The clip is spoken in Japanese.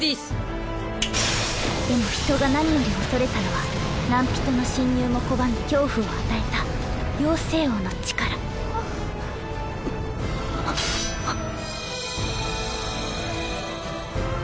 パチンでも人が何より恐れたのは何人の侵入も拒み恐怖を与えたあぁはっ。